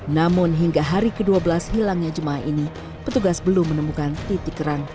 namun hingga hari ke dua belas hilangnya jemaah ini petugas belum menemukan titik terang